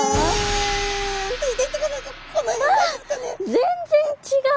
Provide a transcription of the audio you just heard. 全然違う！